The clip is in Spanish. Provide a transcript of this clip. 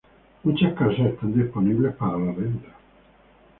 Muchas casas están disponibles para renta.